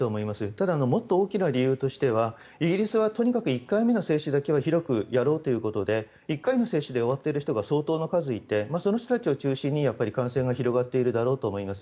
ただ、もっと大きな理由としてはイギリスはとにかく１回目の接種だけは広くやろうということで１回の接種で終わっている人が相当の数いてその人たちを中心に感染が広がっているだろうと思います。